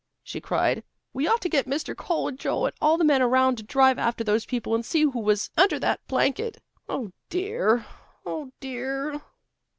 she cried. "We ought to get Mr. Cole and Joe and all the men around to drive after those people and see who was under that blanket. Oh, dear. Oh, dear!"